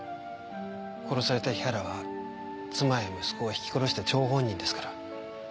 殺された日原は妻や息子をひき殺した張本人ですから。